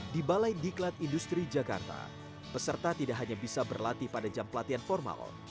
di balai diklat industri jakarta peserta tidak hanya bisa berlatih pada jam pelatihan formal